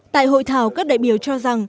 tại hội thảo các đại biểu cho rằng